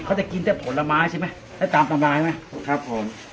เขาจะกินแต่ผละม้าใช่ไหมแล้วตามตามรายไหมครับผม